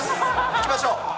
いきましょう。